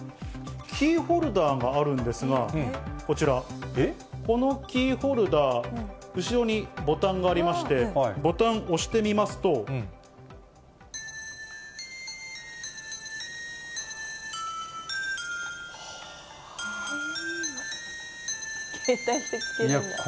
キーホルダーがあるんですが、こちら、このキーホルダー、後ろにボタンがありまして、携帯して聴けるんだ。